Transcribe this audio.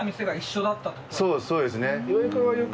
そうですね。